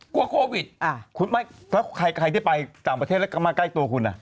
กลัวโควิดคุณไม่ถ้าใครที่ไปต่างประเทศแล้วก็มาใกล้ตัวคุณ